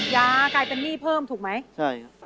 ยากลายเป็นหนี้เพิ่มถูกไหมใช่ครับ